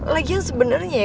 lagi yang sebenernya ya